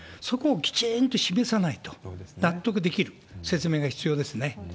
そこをきちんと示さないと、納得できる説明が必要ですね。